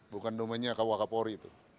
bukan domennya wakapori